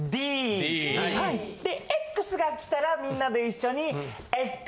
・「Ｘ」がきたらみんなで一緒に「Ｘ！」。